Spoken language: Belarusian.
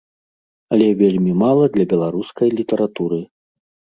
Але вельмі мала для беларускай літаратуры.